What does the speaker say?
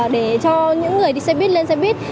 để cho những người đi xe buýt lên xe buýt